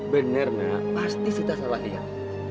bener ma pasti sita salah lihat